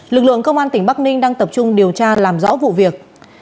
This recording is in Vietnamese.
lực lượng công an tỉnh bắc ninh đang tập trung điều tra làm rõ vụ việc